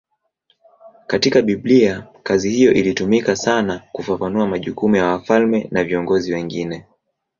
Katika Biblia kazi hiyo ilitumika sana kufafanua majukumu ya wafalme na viongozi wengine.